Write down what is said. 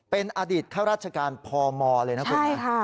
เป็นอดีตข้าราชการพมเลยนะคุณ